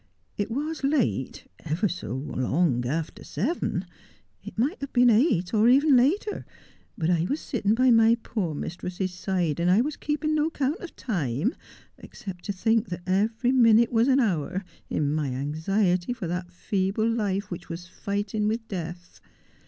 It was late — ever so long after seven. It might have been eight, or even later ; but I was sitting by my poor mistress's side, and I was keeping no count of time, except to think that every minute was an hour, in my anxiety for that feeble life which was fighting with death.